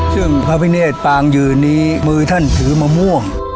ซึ่งพระพิเนธปางยืนนี้มือท่านถือมะม่วง